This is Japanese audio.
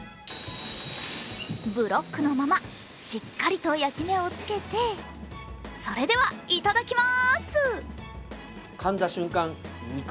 ブロックのまま、しっかりと焼き目をつけてそれでは、いただきます！